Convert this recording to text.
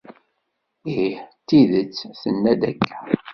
Ih, d tidet tenna-d akka.